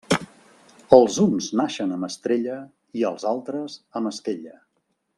Els uns naixen amb estrella i els altres, amb esquella.